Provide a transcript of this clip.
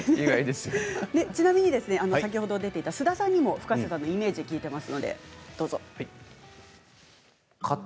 ちなみに先ほど出ていた菅田さんにもＦｕｋａｓｅさんのイメージを聞いています。